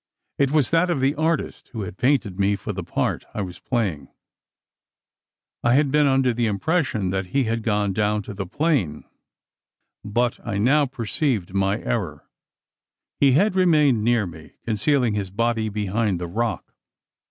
It was that of the artist, who had painted me for the part I was playing. I had been under the impression that he had gone down to the plain, but I now perceived my error. He had remained near me, concealing his body behind the rock.